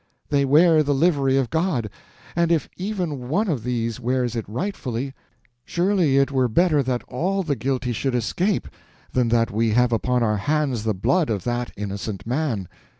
They wear the livery of God, and if even one of these wears it rightfully, surely it were better that all the guilty should escape than that we have upon our hands the blood of that innocent man.